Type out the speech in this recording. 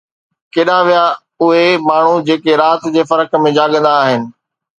ڪيڏانهن ويا اهي ماڻهو جيڪي رات جي فرق ۾ جاڳندا آهن؟